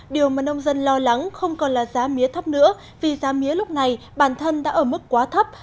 điều mà nông dân lo lắng không còn là giá mía thấp nữa vì giá mía lúc này bản thân đã ở mức quá thấp